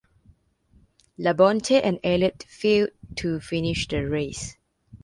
Labonte and Elliott failed to finish the race.